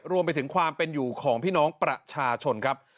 รวมไปถึงความเป็นอยู่ของพี่น้องประชาชนครับ